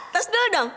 terus dulu dong